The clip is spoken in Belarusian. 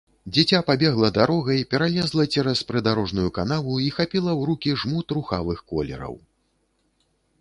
Дзіця пабегла дарогай, пералезла цераз прыдарожную канаву і хапіла ў рукі жмут рухавых колераў.